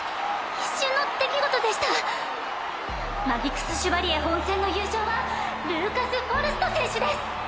一瞬の出来事でしたマギクス・シュバリエ本戦の優勝はルーカス＝フォルスト選手です！